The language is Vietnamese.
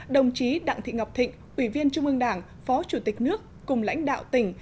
đồng chí đặng thị ngọc thịnh ủy viên trung ương đảng phó chủ tịch nước cùng lãnh đạo tỉnh